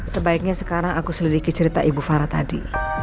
sebaiknya sekarang aku selidiki cerita ibu fara tadi